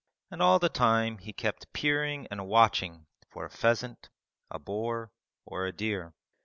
And all the time he kept peering and watching for a pheasant, a boar, or a deer.